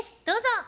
どうぞ。